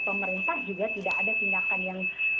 pemerintah juga tidak ada tindakan yang